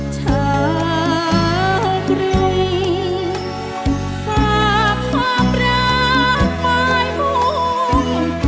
ชักรุงสามารถและไว้พมัน